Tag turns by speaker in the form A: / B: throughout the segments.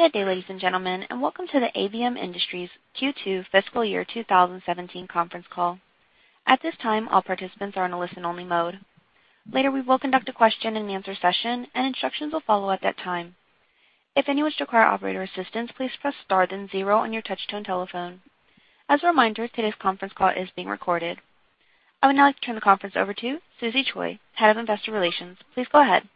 A: Good day, ladies and gentlemen, and welcome to the ABM Industries Q2 fiscal year 2017 conference call. At this time, all participants are in a listen-only mode. Later, we will conduct a question-and-answer session, and instructions will follow at that time. If anyone requires operator assistance, please press star then zero on your touch-tone telephone. As a reminder, today's conference call is being recorded. I would now like to turn the conference over to Susie Choi, Head of Investor Relations. Please go ahead.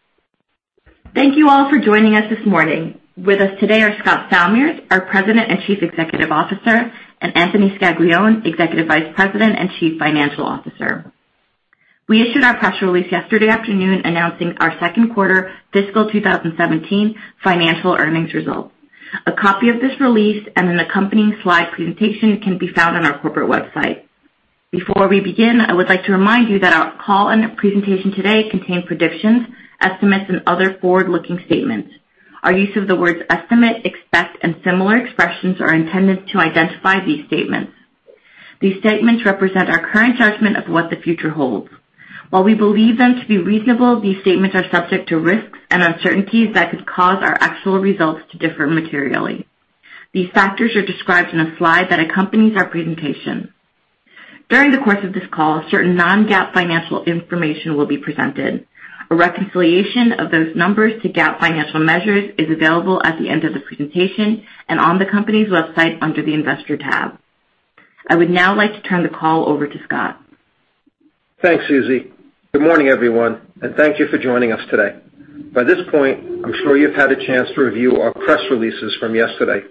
B: Thank you all for joining us this morning. With us today are Scott Salmirs, our President and Chief Executive Officer, and Anthony Scaglione, Executive Vice President and Chief Financial Officer. We issued our press release yesterday afternoon announcing our second quarter fiscal 2017 financial earnings results. A copy of this release and an accompanying slide presentation can be found on our corporate website. Before we begin, I would like to remind you that our call and presentation today contain predictions, estimates, and other forward-looking statements. Our use of the words "estimate," "expect," and similar expressions are intended to identify these statements. These statements represent our current judgment of what the future holds. While we believe them to be reasonable, these statements are subject to risks and uncertainties that could cause our actual results to differ materially. These factors are described in a slide that accompanies our presentation. During the course of this call, certain non-GAAP financial information will be presented. A reconciliation of those numbers to GAAP financial measures is available at the end of the presentation and on the company's website under the Investor tab. I would now like to turn the call over to Scott.
C: Thanks, Susie. Good morning, everyone, and thank you for joining us today. By this point, I'm sure you've had a chance to review our press releases from yesterday.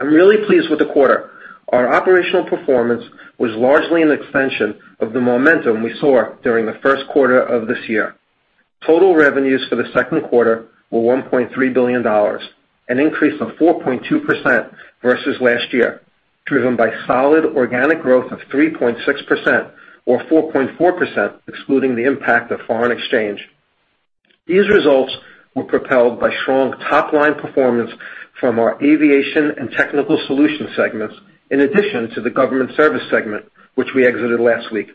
C: I'm really pleased with the quarter. Our operational performance was largely an extension of the momentum we saw during the first quarter of this year. Total revenues for the second quarter were $1.3 billion, an increase of 4.2% versus last year, driven by solid organic growth of 3.6%, or 4.4% excluding the impact of foreign exchange. These results were propelled by strong top-line performance from our Aviation and Technical Solutions segments, in addition to the Government Services segment, which we exited last week.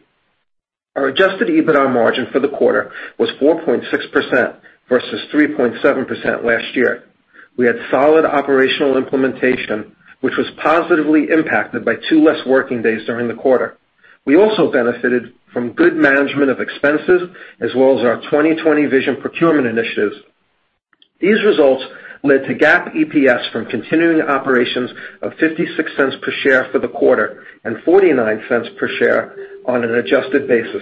C: Our adjusted EBITDA margin for the quarter was 4.6% versus 3.7% last year. We had solid operational implementation, which was positively impacted by two less working days during the quarter. We also benefited from good management of expenses, as well as our 2020 Vision procurement initiatives. These results led to GAAP EPS from continuing operations of $0.56 per share for the quarter and $0.49 per share on an adjusted basis.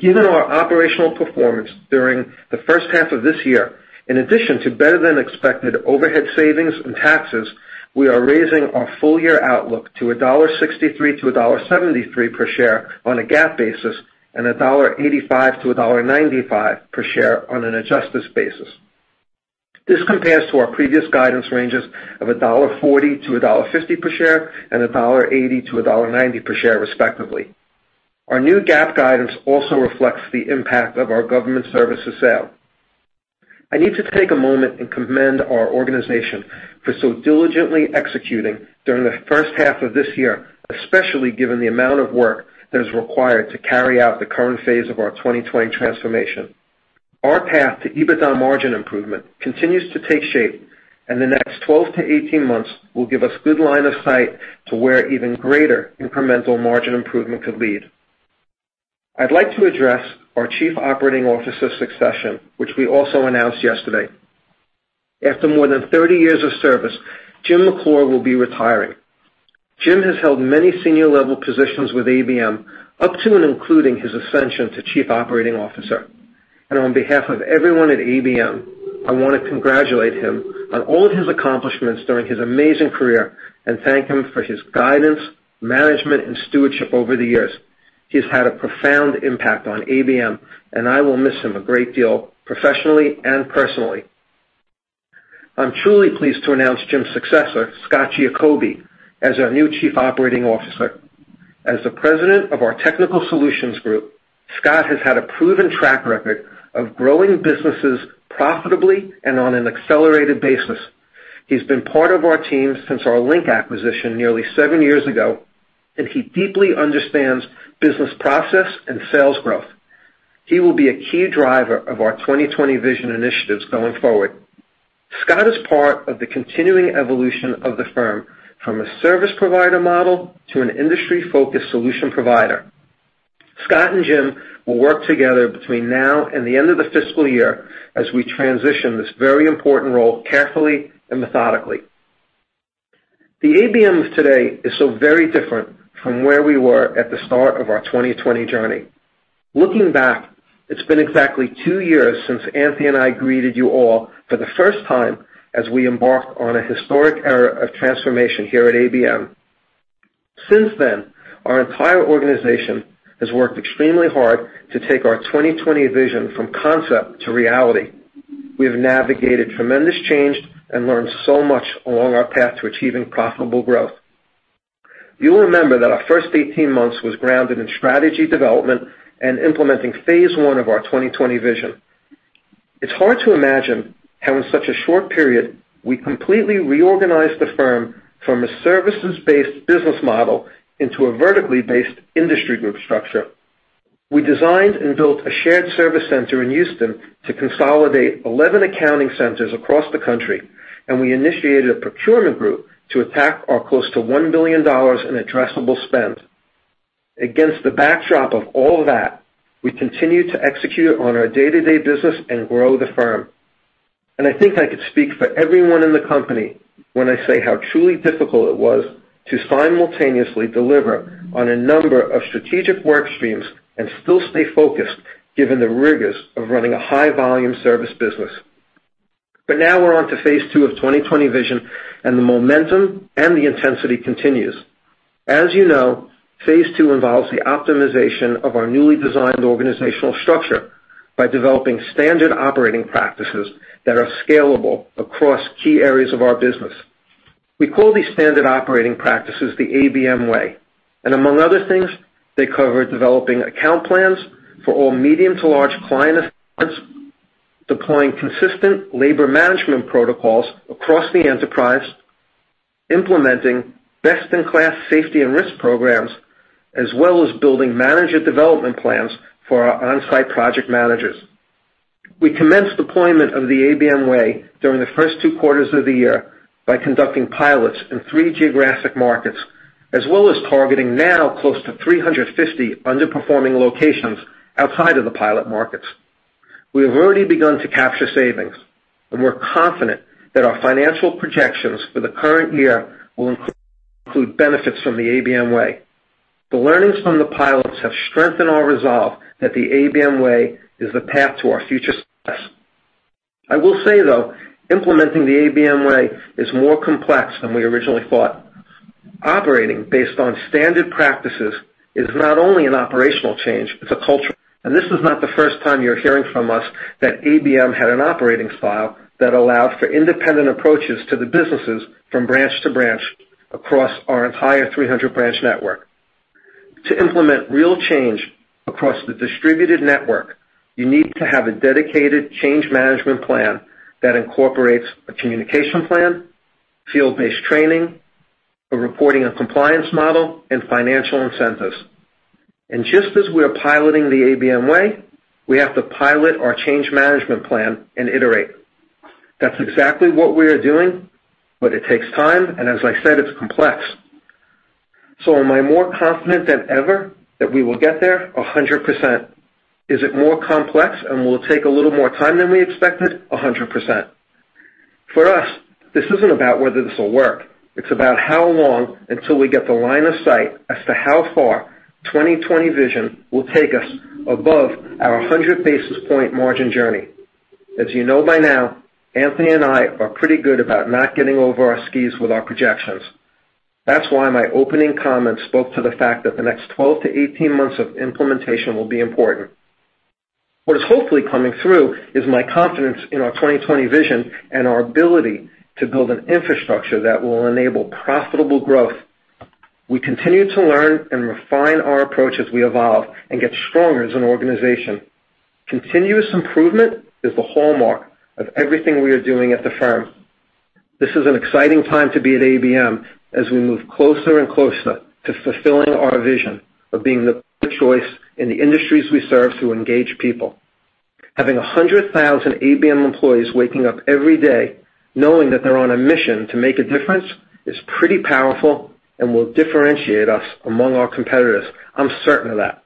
C: Given our operational performance during the first half of this year, in addition to better-than-expected overhead savings and taxes, we are raising our full-year outlook to $1.63-$1.73 per share on a GAAP basis and $1.85-$1.95 per share on an adjusted basis. This compares to our previous guidance ranges of $1.40-$1.50 per share and $1.80-$1.90 per share, respectively. Our new GAAP guidance also reflects the impact of our Government Services sale. I need to take a moment and commend our organization for so diligently executing during the first half of this year, especially given the amount of work that is required to carry out the current phase of our 2020 transformation. Our path to EBITDA margin improvement continues to take shape, and the next 12-18 months will give us good line of sight to where even greater incremental margin improvement could lead. I'd like to address our chief operating officer succession, which we also announced yesterday. After more than 30 years of service, Jim McClure will be retiring. Jim has held many senior-level positions with ABM, up to and including his ascension to chief operating officer. On behalf of everyone at ABM, I want to congratulate him on all of his accomplishments during his amazing career and thank him for his guidance, management, and stewardship over the years. He's had a profound impact on ABM, I will miss him a great deal, professionally and personally. I'm truly pleased to announce Jim's successor, Scott Giacobbe, as our new Chief Operating Officer. As the president of our Technical Solutions Group, Scott has had a proven track record of growing businesses profitably and on an accelerated basis. He's been part of our team since our Linc acquisition nearly seven years ago, He deeply understands business process and sales growth. He will be a key driver of our 2020 Vision initiatives going forward. Scott is part of the continuing evolution of the firm from a service provider model to an industry-focused solution provider. Scott and Jim will work together between now and the end of the fiscal year as we transition this very important role carefully and methodically. The ABM of today is so very different from where we were at the start of our 2020 journey. Looking back, it's been exactly two years since Anthony and I greeted you all for the first time as we embarked on a historic era of transformation here at ABM. Since then, our entire organization has worked extremely hard to take our 2020 Vision from concept to reality. We have navigated tremendous change and learned so much along our path to achieving profitable growth. You'll remember that our first 18 months was grounded in strategy development and implementing phase 1 of our 2020 Vision. It's hard to imagine how in such a short period we completely reorganized the firm from a services-based business model into a vertically based industry group structure. We designed and built a shared service center in Houston to consolidate 11 accounting centers across the country. We initiated a procurement group to attack our close to $1 billion in addressable spend. Against the backdrop of all that, we continued to execute on our day-to-day business and grow the firm. I think I could speak for everyone in the company when I say how truly difficult it was to simultaneously deliver on a number of strategic work streams and still stay focused given the rigors of running a high-volume service business. Now we're on to phase 2 of 2020 Vision, and the momentum and the intensity continues. As you know, phase 2 involves the optimization of our newly designed organizational structure by developing standard operating practices that are scalable across key areas of our business. We call these standard operating practices the ABM Way. Among other things, they cover developing account plans for all medium to large client accounts, deploying consistent labor management protocols across the enterprise, implementing best-in-class safety and risk programs, as well as building manager development plans for our on-site project managers. We commenced deployment of the ABM Way during the first two quarters of the year by conducting pilots in three geographic markets, as well as targeting now close to 350 underperforming locations outside of the pilot markets. We have already begun to capture savings. We're confident that our financial projections for the current year will include benefits from the ABM Way. The learnings from the pilots have strengthened our resolve that the ABM Way is the path to our future success. I will say, though, implementing the ABM Way is more complex than we originally thought. Operating based on standard practices is not only an operational change, it's a cultural one. This is not the first time you're hearing from us that ABM had an operating style that allowed for independent approaches to the businesses from branch to branch across our entire 300-branch network. To implement real change across the distributed network, you need to have a dedicated change management plan that incorporates a communication plan, field-based training, a reporting and compliance model, and financial incentives. Just as we are piloting the ABM Way, we have to pilot our change management plan and iterate. That's exactly what we are doing, it takes time, and as I said, it's complex. Am I more confident than ever that we will get there? 100%. Is it more complex and will it take a little more time than we expected? 100%. For us, this isn't about whether this will work. It's about how long until we get the line of sight as to how far 2020 Vision will take us above our 100 basis point margin journey. As you know by now, Anthony and I are pretty good about not getting over our skis with our projections. That's why my opening comments spoke to the fact that the next 12 to 18 months of implementation will be important. What is hopefully coming through is my confidence in our 2020 Vision and our ability to build an infrastructure that will enable profitable growth. We continue to learn and refine our approach as we evolve and get stronger as an organization. Continuous improvement is the hallmark of everything we are doing at the firm. This is an exciting time to be at ABM as we move closer and closer to fulfilling our vision of being the preferred choice in the industries we serve to engage people. Having 100,000 ABM employees waking up every day knowing that they're on a mission to make a difference is pretty powerful and will differentiate us among our competitors. I'm certain of that.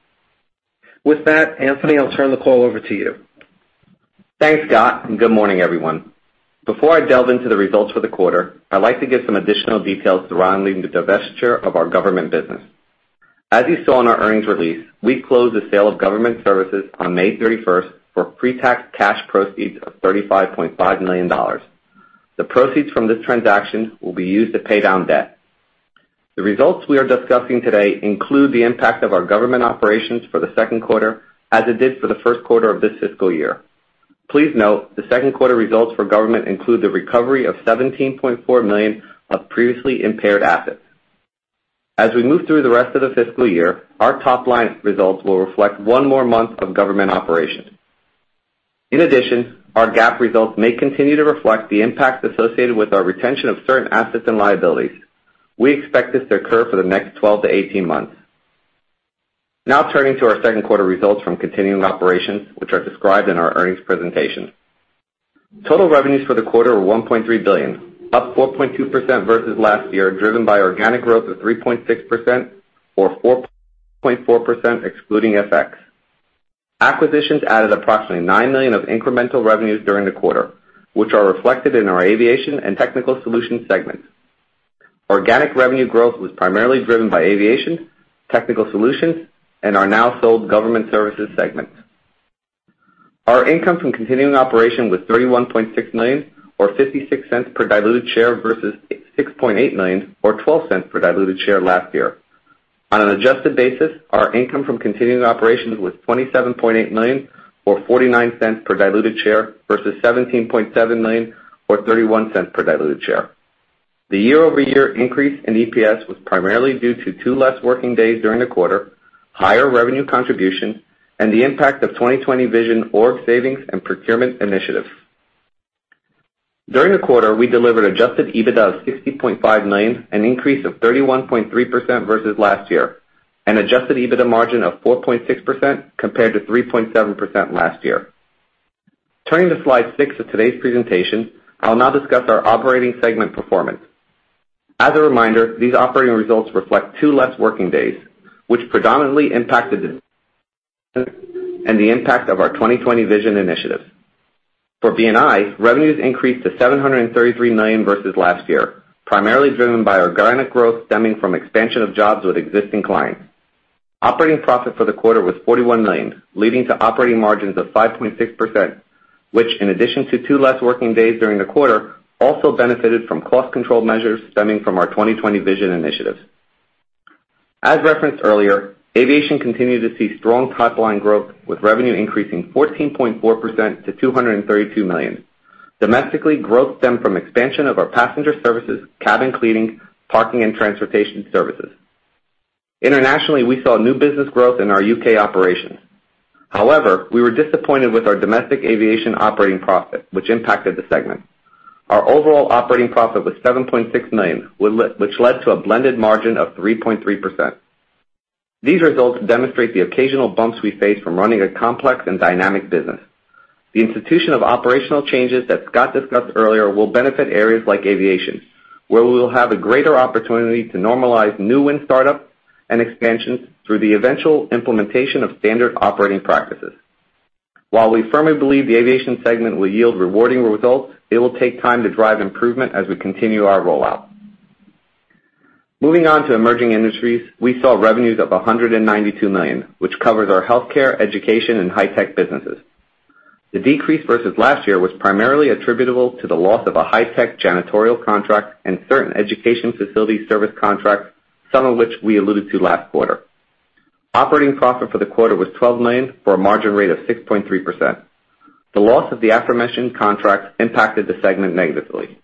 C: With that, Anthony, I'll turn the call over to you.
D: Thanks, Scott, good morning, everyone. Before I delve into the results for the quarter, I'd like to give some additional details surrounding the divestiture of our government business. As you saw in our earnings release, we closed the sale of Government Services on May 31st for pre-tax cash proceeds of $35.5 million. The proceeds from this transaction will be used to pay down debt. The results we are discussing today include the impact of our government operations for the second quarter as it did for the first quarter of this fiscal year. Please note the second quarter results for government include the recovery of $17.4 million of previously impaired assets. As we move through the rest of the fiscal year, our top-line results will reflect one more month of government operations. In addition, our GAAP results may continue to reflect the impacts associated with our retention of certain assets and liabilities. We expect this to occur for the next 12 to 18 months. Now turning to our second quarter results from continuing operations, which are described in our earnings presentation. Total revenues for the quarter were $1.3 billion, up 4.2% versus last year, driven by organic growth of 3.6% or 4.4% excluding FX. Acquisitions added approximately $9 million of incremental revenues during the quarter, which are reflected in our Aviation and Technical Solutions segments. Organic revenue growth was primarily driven by Aviation, Technical Solutions, and our now sold Government Services segment. Our income from continuing operation was $31.6 million, or $0.56 per diluted share, versus $6.8 million or $0.12 per diluted share last year. On an adjusted basis, our income from continuing operations was $27.8 million, or $0.49 per diluted share, versus $17.7 million or $0.31 per diluted share. The year-over-year increase in EPS was primarily due to two less working days during the quarter, higher revenue contribution, and the impact of 2020 Vision org savings and procurement initiatives. During the quarter, we delivered adjusted EBITDA of $60.5 million, an increase of 31.3% versus last year, and adjusted EBITDA margin of 4.6% compared to 3.7% last year. Turning to slide six of today's presentation, I'll now discuss our operating segment performance. As a reminder, these operating results reflect two less working days, which predominantly impacted and the impact of our 2020 Vision initiatives. For B&I, revenues increased to $733 million versus last year, primarily driven by organic growth stemming from expansion of jobs with existing clients. Operating profit for the quarter was $41 million, leading to operating margins of 5.6%, which, in addition to two less working days during the quarter, also benefited from cost control measures stemming from our 2020 Vision initiatives. As referenced earlier, Aviation continued to see strong pipeline growth, with revenue increasing 14.4% to $232 million. Domestically, growth stemmed from expansion of our passenger services, cabin cleaning, parking, and transportation services. Internationally, we saw new business growth in our U.K. operations. However, we were disappointed with our domestic Aviation operating profit, which impacted the segment. Our overall operating profit was $7.6 million, which led to a blended margin of 3.3%. These results demonstrate the occasional bumps we face from running a complex and dynamic business. The institution of operational changes that Scott discussed earlier will benefit areas like Aviation, where we will have a greater opportunity to normalize new win start-ups and expansions through the eventual implementation of standard operating practices. While we firmly believe the Aviation segment will yield rewarding results, it will take time to drive improvement as we continue our rollout. Moving on to Emerging Industries, we saw revenues of $192 million, which covers our healthcare, education, and high-tech businesses. The decrease versus last year was primarily attributable to the loss of a high-tech janitorial contract and certain education facilities service contracts, some of which we alluded to last quarter. Operating profit for the quarter was $12 million, for a margin rate of 6.3%. The loss of the aforementioned contracts impacted the segment negatively.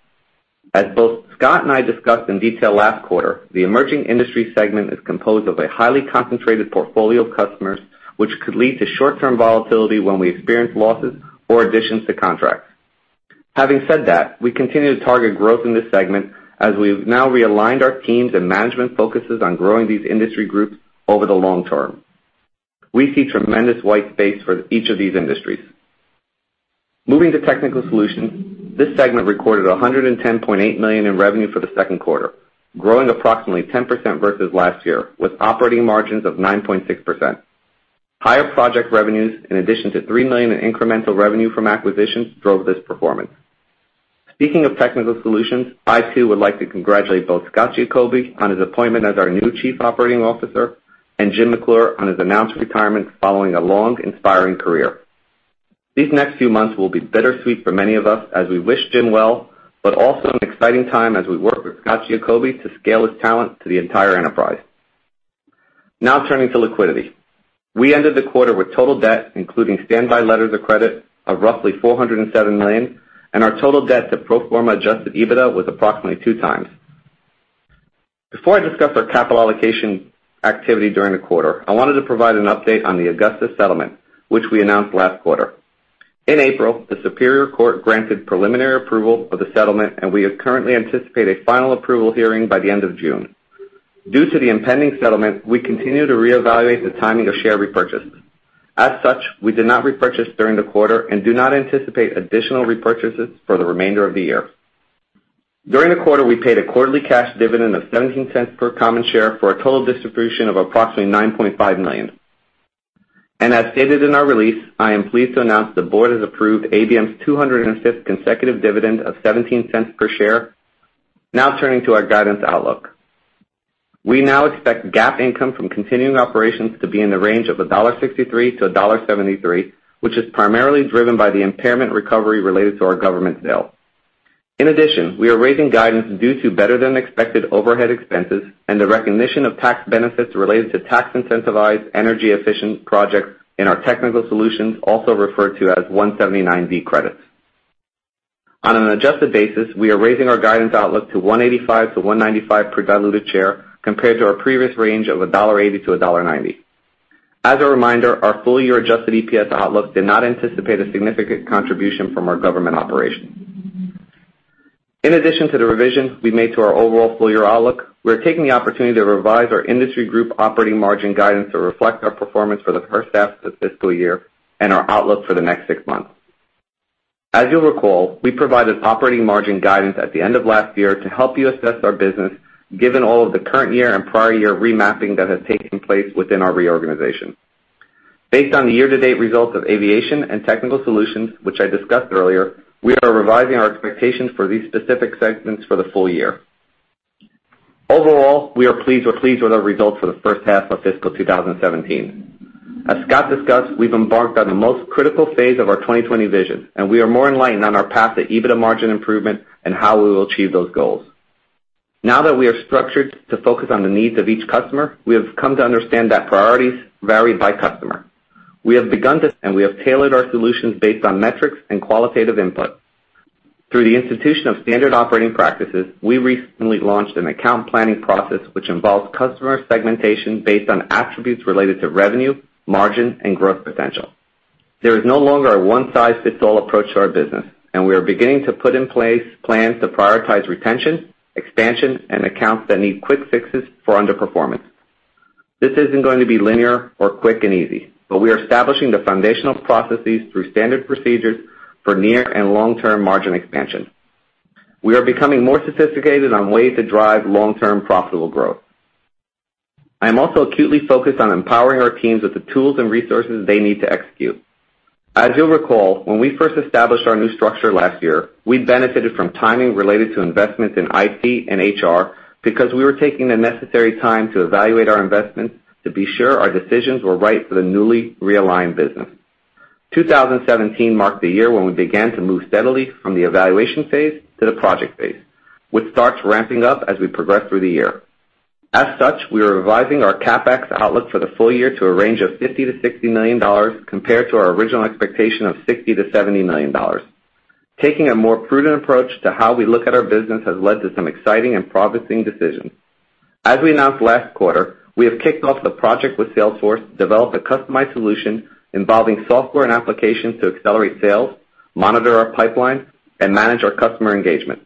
D: As both Scott and I discussed in detail last quarter, the Emerging Industries segment is composed of a highly concentrated portfolio of customers, which could lead to short-term volatility when we experience losses or additions to contracts. Having said that, we continue to target growth in this segment, as we've now realigned our teams, and management focuses on growing these industry groups over the long term. We see tremendous white space for each of these industries. Moving to Technical Solutions, this segment recorded $110.8 million in revenue for the second quarter, growing approximately 10% versus last year, with operating margins of 9.6%. Higher project revenues, in addition to $3 million in incremental revenue from acquisitions, drove this performance. Speaking of Technical Solutions, I too would like to congratulate both Scott Giacobbe on his appointment as our new Chief Operating Officer and Jim McClure on his announced retirement following a long, inspiring career. These next few months will be bittersweet for many of us as we wish Jim well, but also an exciting time as we work with Scott Giacobbe to scale his talent to the entire enterprise. Now turning to liquidity. We ended the quarter with total debt, including standby letters of credit, of roughly $407 million, and our total debt to pro forma adjusted EBITDA was approximately two times. Before I discuss our capital allocation activity during the quarter, I wanted to provide an update on the Augusta settlement, which we announced last quarter. In April, the Superior Court granted preliminary approval of the settlement, and we currently anticipate a final approval hearing by the end of June. Due to the impending settlement, we continue to reevaluate the timing of share repurchases. As such, we did not repurchase during the quarter and do not anticipate additional repurchases for the remainder of the year. During the quarter, we paid a quarterly cash dividend of $0.17 per common share for a total distribution of approximately $9.5 million. As stated in our release, I am pleased to announce the board has approved ABM's 205th consecutive dividend of $0.17 per share. Turning to our guidance outlook. We now expect GAAP income from continuing operations to be in the range of $1.63 to $1.73, which is primarily driven by the impairment recovery related to our government sale. In addition, we are raising guidance due to better-than-expected overhead expenses and the recognition of tax benefits related to tax-incentivized energy-efficient projects in our Technical Solutions, also referred to as 179D credits. On an adjusted basis, we are raising our guidance outlook to $1.85 to $1.95 per diluted share, compared to our previous range of $1.80 to $1.90. As a reminder, our full-year adjusted EPS outlook did not anticipate a significant contribution from our government operations. In addition to the revisions we made to our overall full-year outlook, we are taking the opportunity to revise our industry group operating margin guidance to reflect our performance for the first half of the fiscal year and our outlook for the next six months. As you'll recall, we provided operating margin guidance at the end of last year to help you assess our business, given all of the current year and prior year remapping that has taken place within our reorganization. Based on the year-to-date results of Aviation and Technical Solutions, which I discussed earlier, we are revising our expectations for these specific segments for the full year. Overall, we are pleased with our results for the first half of fiscal 2017. As Scott discussed, we've embarked on the most critical phase of our 2020 Vision, and we are more enlightened on our path to EBITDA margin improvement and how we will achieve those goals. That we are structured to focus on the needs of each customer, we have come to understand that priorities vary by customer. We have begun this, and we have tailored our solutions based on metrics and qualitative input. Through the institution of standard operating practices, we recently launched an account planning process, which involves customer segmentation based on attributes related to revenue, margin, and growth potential. There is no longer a one-size-fits-all approach to our business, and we are beginning to put in place plans to prioritize retention, expansion, and accounts that need quick fixes for underperformance. This isn't going to be linear or quick and easy, but we are establishing the foundational processes through standard procedures for near and long-term margin expansion. We are becoming more sophisticated on ways to drive long-term profitable growth. I am also acutely focused on empowering our teams with the tools and resources they need to execute. As you'll recall, when we first established our new structure last year, we benefited from timing related to investments in IT and HR because we were taking the necessary time to evaluate our investments to be sure our decisions were right for the newly realigned business. 2017 marked the year when we began to move steadily from the evaluation phase to the project phase, with starts ramping up as we progress through the year. We are revising our CapEx outlook for the full year to a range of $50 million-$60 million, compared to our original expectation of $60 million-$70 million. Taking a more prudent approach to how we look at our business has led to some exciting and promising decisions. As we announced last quarter, we have kicked off the project with Salesforce to develop a customized solution involving software and applications to accelerate sales, monitor our pipeline, and manage our customer engagement.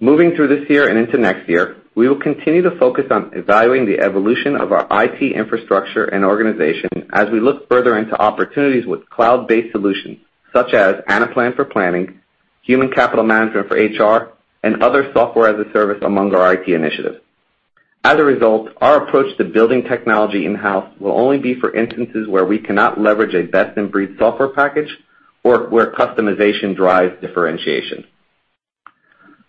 D: Moving through this year and into next year, we will continue to focus on evaluating the evolution of our IT infrastructure and organization as we look further into opportunities with cloud-based solutions such as Anaplan for planning, Human Capital Management for HR, and other software as a service among our IT initiatives. As a result, our approach to building technology in-house will only be for instances where we cannot leverage a best-in-breed software package or where customization drives differentiation.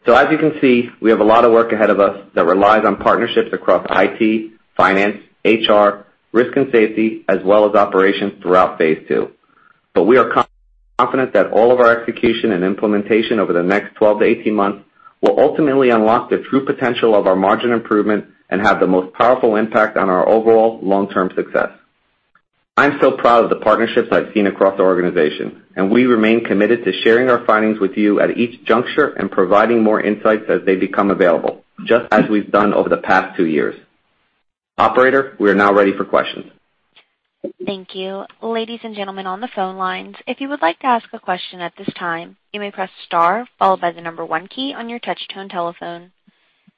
D: As you can see, we have a lot of work ahead of us that relies on partnerships across IT, finance, HR, risk and safety, as well as operations throughout phase 2. We are confident that all of our execution and implementation over the next 12 to 18 months will ultimately unlock the true potential of our margin improvement and have the most powerful impact on our overall long-term success. I'm so proud of the partnerships I've seen across the organization, and we remain committed to sharing our findings with you at each juncture and providing more insights as they become available, just as we've done over the past two years. Operator, we are now ready for questions.
A: Thank you. Ladies and gentlemen on the phone lines, if you would like to ask a question at this time, you may press star followed by the number 1 key on your touch-tone telephone.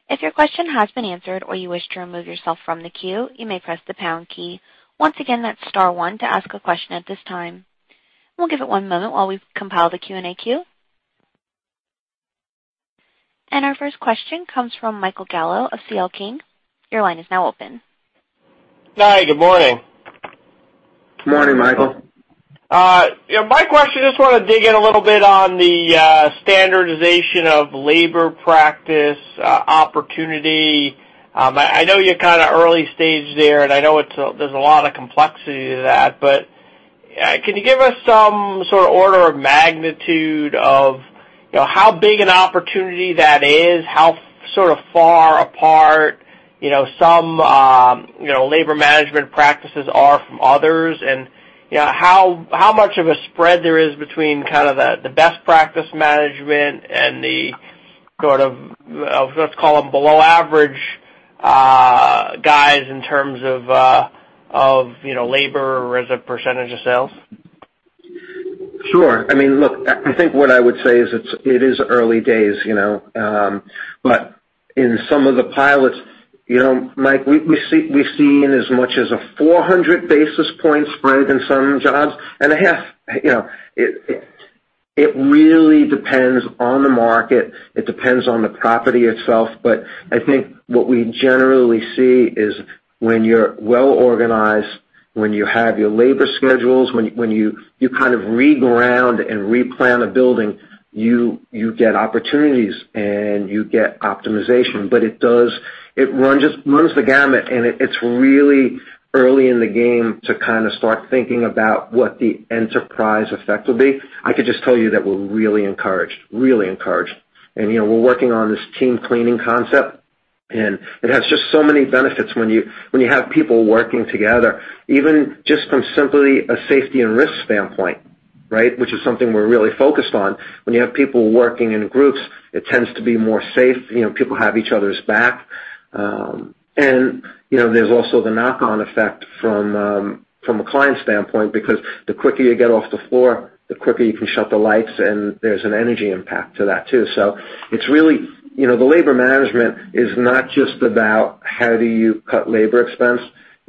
A: If your question has been answered or you wish to remove yourself from the queue, you may press the pound key. Once again, that's star 1 to ask a question at this time. We'll give it one moment while we compile the Q&A queue. Our first question comes from Michael Gallo of C.L. King. Your line is now open.
E: Hi, good morning.
D: Good morning, Michael.
E: My question, just want to dig in a little bit on the standardization of labor practice opportunity. I know you're kind of early stage there, and I know there's a lot of complexity to that. Can you give us some sort of order of magnitude of how big an opportunity that is? How sort of far apart some labor management practices are from others? How much of a spread there is between kind of the best practice management and the sort of, let's call them below average guys in terms of labor as a percentage of sales?
D: Sure. I mean, look, I think what I would say is it is early days. In some of the pilots, Mike, we've seen as much as a 400 basis point spread in some jobs. It really depends on the market. It depends on the property itself. I think what we generally see is when you're well organized, when you have your labor schedules, when you kind of reground and replan a building, you get opportunities and you get optimization. It runs the gamut, and it's really early in the game to kind of start thinking about what the enterprise effect will be. I could just tell you that we're really encouraged. Really encouraged. We're working on this team cleaning concept, and it has just so many benefits when you have people working together, even just from simply a safety and risk standpoint, right? Which is something we're really focused on. When you have people working in groups, it tends to be more safe. People have each other's back. There's also the knock-on effect from a client standpoint, because the quicker you get off the floor, the quicker you can shut the lights, and there's an energy impact to that, too. The labor management is not just about how do you cut labor expense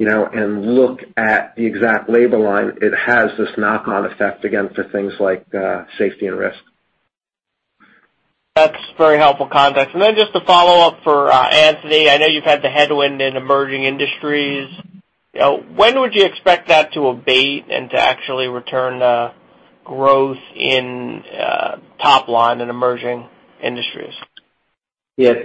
D: and look at the exact labor line. It has this knock-on effect, again, for things like safety and risk.
E: That's very helpful context. Then just a follow-up for Anthony. I know you've had the headwind in Emerging Industries. When would you expect that to abate and to actually return growth in top line in Emerging Industries?
D: Yes.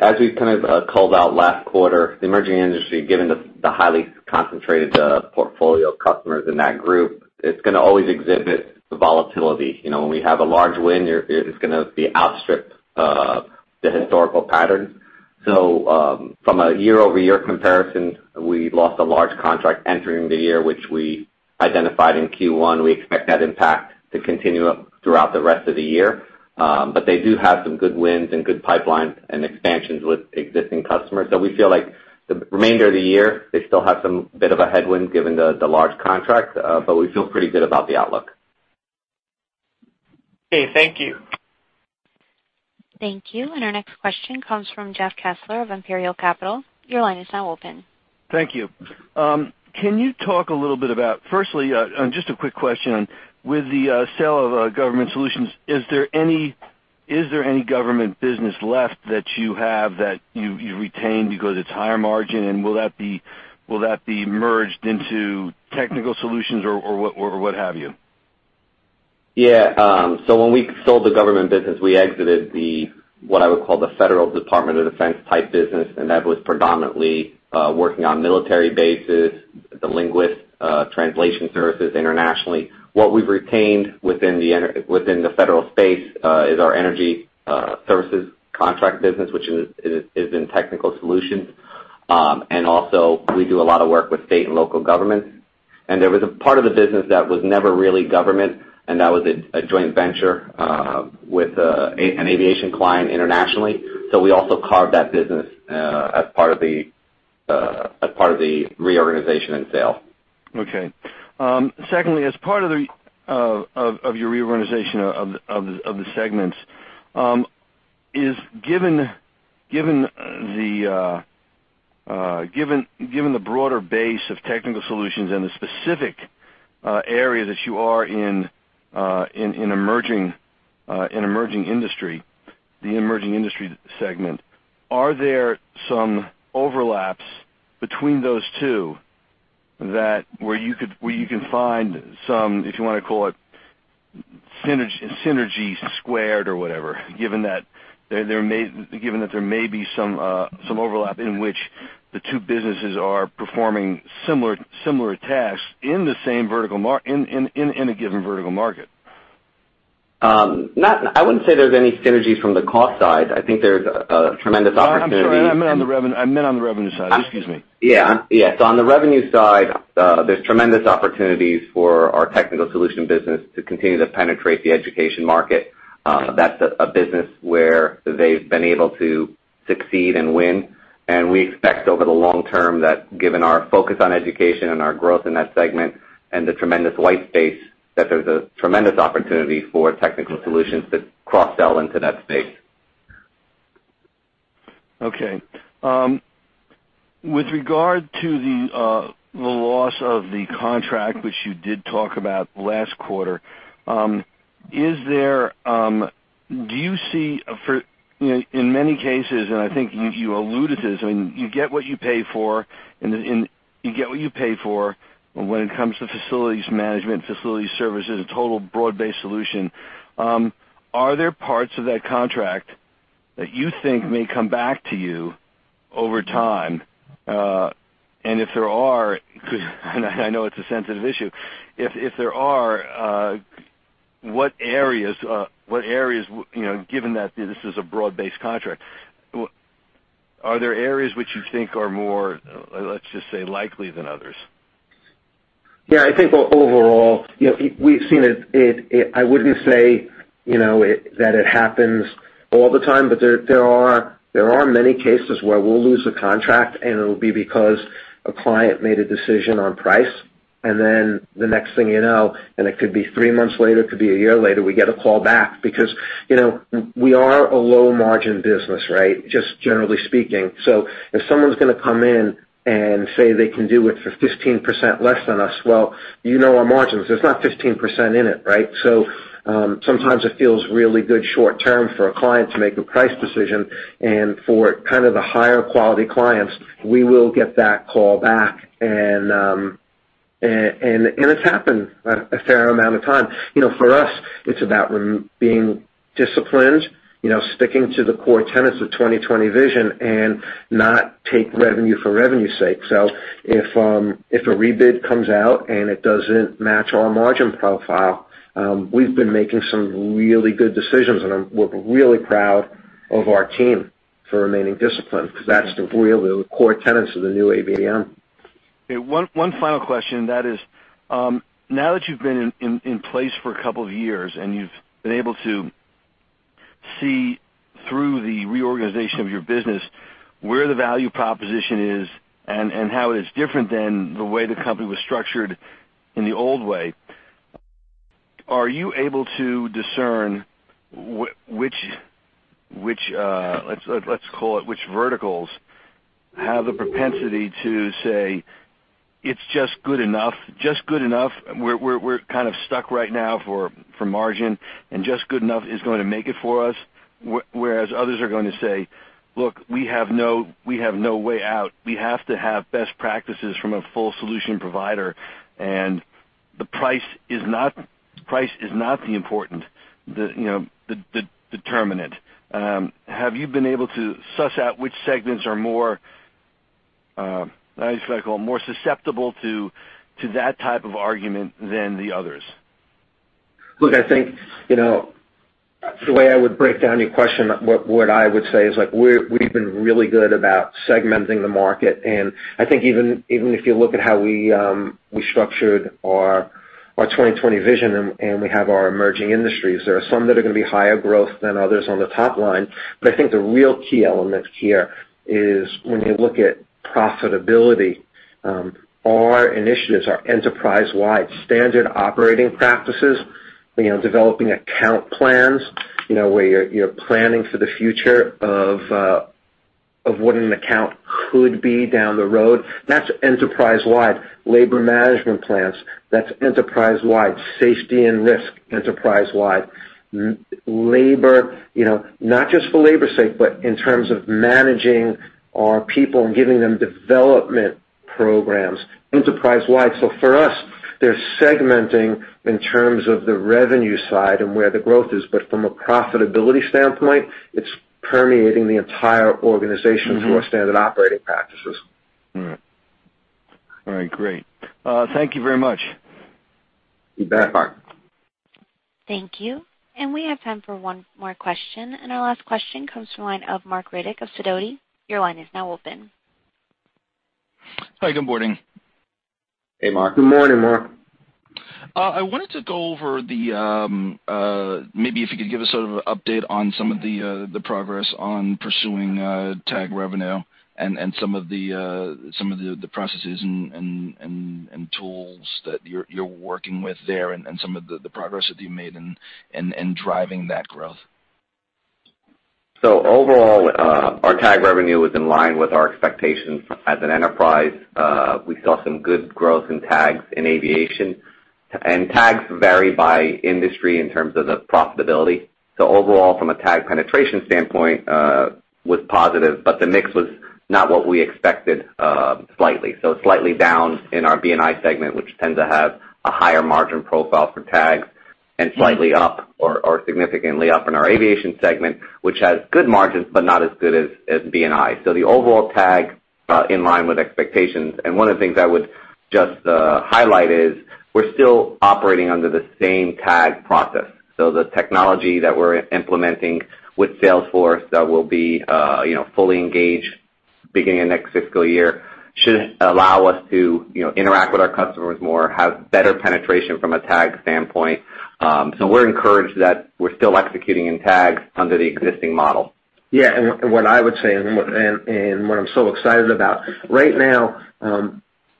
D: As we kind of called out last quarter, the Emerging Industry, given the highly concentrated portfolio of customers in that group, it's going to always exhibit the volatility. When we have a large win, it's going to outstrip the historical pattern. From a year-over-year comparison, we lost a large contract entering the year, which we identified in Q1. We expect that impact to continue throughout the rest of the year. They do have some good wins and good pipelines and expansions with existing customers. We feel like the remainder of the year, they still have some bit of a headwind given the large contract, but we feel pretty good about the outlook.
E: Okay, thank you.
A: Thank you. Our next question comes from Jeff Kessler of Imperial Capital. Your line is now open.
F: Thank you. Can you talk a little bit about, firstly, just a quick question, with the sale of Government Services, is there any government business left that you have that you've retained because it's higher margin, and will that be merged into Technical Solutions or what have you?
D: Yeah. When we sold the government business, we exited the, what I would call the Federal Department of Defense type business, and that was predominantly working on military bases, the linguist translation services internationally. What we've retained within the federal space is our energy services contract business, which is in Technical Solutions. Also, we do a lot of work with state and local governments. There was a part of the business that was never really government, and that was a joint venture with an Aviation client internationally. We also carved that business as part of the reorganization and sale.
F: Okay. Secondly, as part of your reorganization of the segments, given the broader base of Technical Solutions and the specific area that you are in the Emerging Industries Group, are there some overlaps between those two where you can find some, if you want to call it synergy squared or whatever, given that there may be some overlap in which the two businesses are performing similar tasks in a given vertical market?
D: I wouldn't say there's any synergy from the cost side. I think there's a tremendous opportunity.
F: I'm sorry. I meant on the revenue side. Excuse me.
D: Yeah. On the revenue side, there's tremendous opportunities for our Technical Solutions business to continue to penetrate the education market. That's a business where they've been able to succeed and win, and we expect over the long term that given our focus on education and our growth in that segment and the tremendous white space, that there's a tremendous opportunity for Technical Solutions to cross-sell into that space.
F: Okay. With regard to the loss of the contract, which you did talk about last quarter, in many cases, and I think you alluded to this, I mean, you get what you pay for when it comes to facilities management, facilities services, a total broad-based solution. Are there parts of that contract that you think may come back to you over time? If there are, and I know it's a sensitive issue, if there are, what areas, given that this is a broad-based contract, are there areas which you think are more, let's just say, likely than others?
C: Yeah, I think overall, we've seen it. I wouldn't say that it happens all the time, but there are many cases where we'll lose a contract, and it'll be because a client made a decision on price, and then the next thing you know, and it could be three months later, it could be a year later, we get a call back because we are a low-margin business, right? Just generally speaking. If someone's going to come in and say they can do it for 15% less than us, well, you know our margins. There's not 15% in it, right? Sometimes it feels really good short term for a client to make a price decision, and for kind of the higher quality clients, we will get that call back, and it's happened a fair amount of time. For us, it's about being disciplined, sticking to the core tenets of 2020 Vision and not take revenue for revenue's sake. If a rebid comes out and it doesn't match our margin profile, we've been making some really good decisions, and we're really proud of our team for remaining disciplined, because that's really the core tenets of the new ABM.
F: Okay. One final question, that is, now that you've been in place for a couple of years and you've been able to see through the reorganization of your business where the value proposition is and how it is different than the way the company was structured in the old way, are you able to discern, let's call it which verticals have the propensity to say, "It's just good enough. We're kind of stuck right now for margin, and just good enough is going to make it for us." Whereas others are going to say, "Look, we have no way out. We have to have best practices from a full solution provider, and the price is not the important determinant." Have you been able to suss out which segments are more, I just like to call it, more susceptible to that type of argument than the others?
C: Look, I think, the way I would break down your question, what I would say is, we've been really good about segmenting the market, and I think even if you look at how we structured our 2020 Vision, and we have our Emerging Industries, there are some that are going to be higher growth than others on the top line. I think the real key element here is when you look at profitability All our initiatives are enterprise-wide standard operating practices. Developing account plans, where you're planning for the future of what an account could be down the road. That's enterprise-wide. Labor management plans. That's enterprise-wide. Safety and risk, enterprise-wide. Not just for labor's sake, but in terms of managing our people and giving them development programs enterprise-wide. For us, they're segmenting in terms of the revenue side and where the growth is. From a profitability standpoint, it's permeating the entire organization through our standard operating practices.
F: All right. Great. Thank you very much.
D: You bet, [Marc.
A: Thank you. We have time for one more question. Our last question comes from the line of Marc Riddick of Sidoti. Your line is now open.
G: Hi, good morning.
D: Hey, Marc.
C: Good morning, Marc.
G: I wanted to go over, maybe if you could give us an update on some of the progress on pursuing TAG revenue and some of the processes and tools that you're working with there and some of the progress that you've made in driving that growth.
D: Overall, our TAG revenue was in line with our expectations as an enterprise. We saw some good growth in TAGs in Aviation. TAGs vary by industry in terms of the profitability. Overall, from a TAG penetration standpoint, was positive, but the mix was not what we expected, slightly. Slightly down in our B&I segment, which tends to have a higher margin profile for TAGs, and slightly up, or significantly up in our Aviation segment, which has good margins, but not as good as B&I. The overall TAG, in line with expectations. One of the things I would just highlight is we're still operating under the same TAG process. The technology that we're implementing with Salesforce that will be fully engaged beginning of next fiscal year should allow us to interact with our customers more, have better penetration from a TAG standpoint. We're encouraged that we're still executing in TAG under the existing model.
C: Yeah, what I would say, and what I'm so excited about. Right now,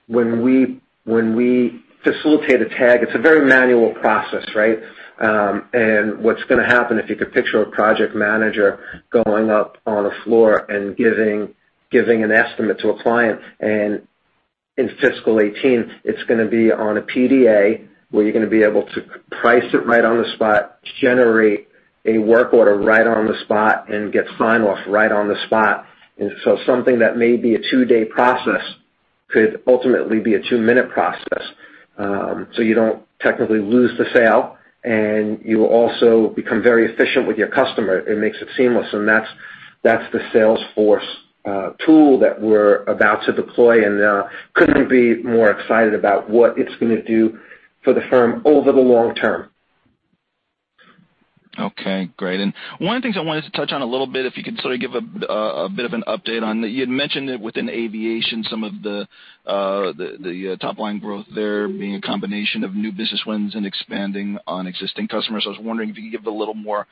C: when we facilitate a TAG, it's a very manual process. What's going to happen, if you could picture a project manager going up on a floor and giving an estimate to a client. In fiscal 2018, it's going to be on a PDA, where you're going to be able to price it right on the spot, generate a work order right on the spot, and get sign-off right on the spot. Something that may be a two-day process could ultimately be a two-minute process. You don't technically lose the sale, and you also become very efficient with your customer. It makes it seamless, and that's the Salesforce tool that we're about to deploy, and couldn't be more excited about what it's going to do for the firm over the long term.
G: Okay, great. One of the things I wanted to touch on a little bit, if you could sort of give a bit of an update on. You had mentioned that within Aviation, some of the top-line growth there being a combination of new business wins and expanding on existing customers. I was wondering, can you give a little more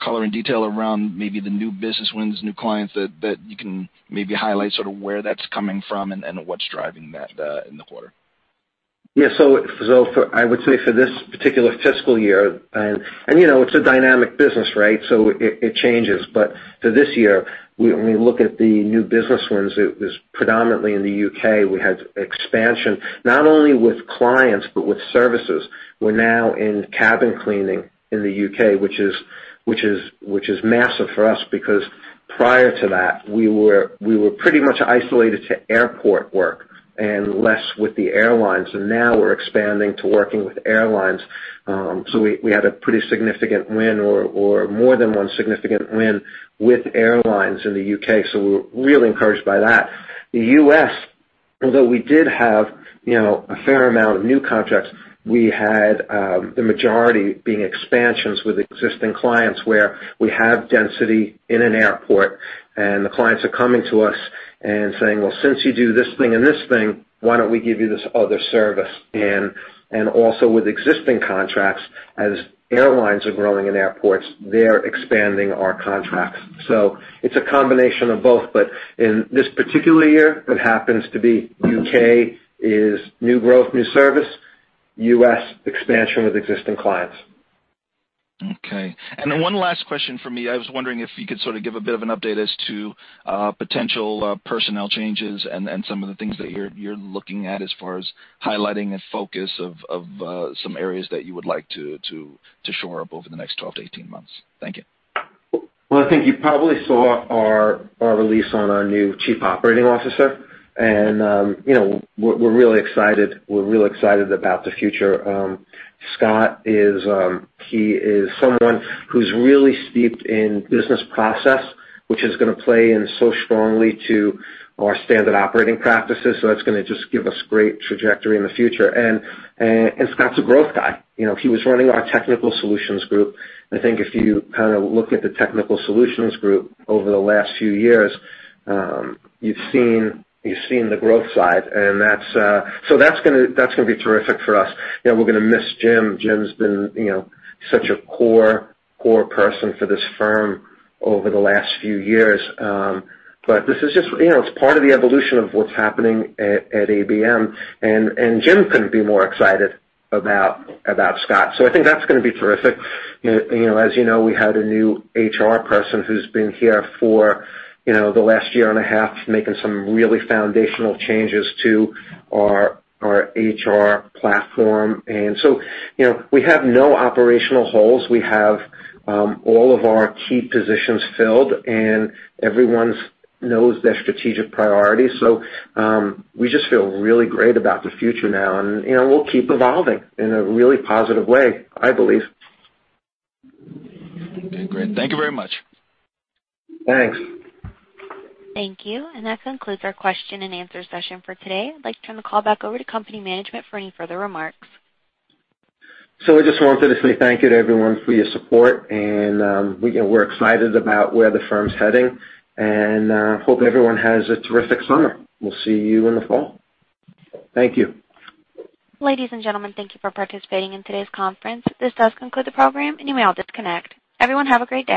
G: color and detail around maybe the new business wins, new clients that you can maybe highlight where that's coming from and what's driving that in the quarter?
C: I would say for this particular fiscal year, and it's a dynamic business, so it changes. For this year, when we look at the new business wins, it was predominantly in the U.K. We had expansion, not only with clients, but with services. We're now in cabin cleaning in the U.K., which is massive for us because prior to that, we were pretty much isolated to airport work and less with the airlines. Now we're expanding to working with airlines. We had a pretty significant win, or more than one significant win with airlines in the U.K. We're really encouraged by that. The U.S., although we did have a fair amount of new contracts, we had the majority being expansions with existing clients where we have density in an airport, and the clients are coming to us and saying, "Well, since you do this thing and this thing, why don't we give you this other service?" Also with existing contracts, as airlines are growing in airports, they're expanding our contracts. It's a combination of both, but in this particular year, it happens to be U.K. is new growth, new service, U.S., expansion with existing clients.
G: Okay. One last question from me. I was wondering if you could sort of give a bit of an update as to potential personnel changes and some of the things that you're looking at as far as highlighting a focus of some areas that you would like to shore up over the next 12 to 18 months. Thank you.
C: Well, I think you probably saw our release on our new Chief Operating Officer. We're really excited about the future. Scott is someone who's really steeped in business process, which is going to play in so strongly to our standard operating practices. That's going to just give us great trajectory in the future. Scott's a growth guy. He was running our Technical Solutions group. I think if you kind of look at the Technical Solutions group over the last few years, you've seen the growth side. That's going to be terrific for us. We're going to miss Jim. Jim's been such a core person for this firm over the last few years. It's part of the evolution of what's happening at ABM, and Jim couldn't be more excited about Scott. I think that's going to be terrific. As you know, we had a new HR person who's been here for the last year and a half, making some really foundational changes to our HR platform. We have no operational holes. We have all of our key positions filled, and everyone knows their strategic priorities. We just feel really great about the future now, and we'll keep evolving in a really positive way, I believe.
G: Okay, great. Thank you very much.
C: Thanks.
A: Thank you. That concludes our question and answer session for today. I'd like to turn the call back over to company management for any further remarks.
C: I just wanted to say thank you to everyone for your support, and we're excited about where the firm's heading, and hope everyone has a terrific summer. We'll see you in the fall. Thank you.
A: Ladies and gentlemen, thank you for participating in today's conference. This does conclude the program. You may all disconnect. Everyone have a great day.